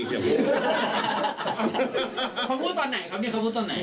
เขาพูดตอนไหนครับเนี่ยเขาพูดตอนไหน